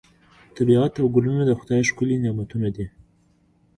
طبیعت او ګلونه د خدای ښکلي نعمتونه دي.